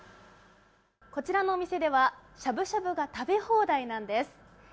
こちらのお店ではしゃぶしゃぶが食べ放題なんです。